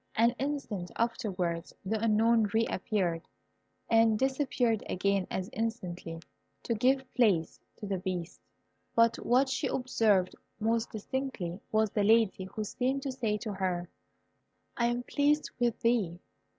An instant afterwards the Unknown re appeared, and disappeared again as instantly, to give place to the Beast. But what she observed most distinctly was the Lady, who seemed to say to her, "I am pleased with thee.